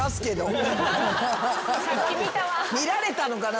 見られたのかな？